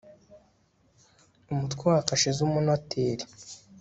UMUTWE WA KASHE Z UMUNOTERI